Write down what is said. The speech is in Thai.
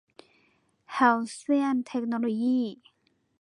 แฮลเซี่ยน เทคโนโลยี่